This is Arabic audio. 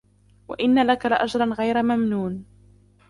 وَإِنَّ لَكَ لَأَجْرًا غَيْرَ مَمْنُونٍ